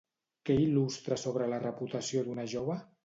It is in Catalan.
Què l'il·lustra sobre la reputació d'una jove?